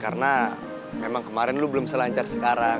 karena memang kemarin lu belum selancar sekarang